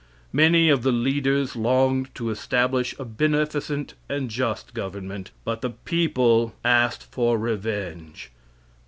Many of the leaders longed to establish a beneficent and just government, but the people asked for revenge.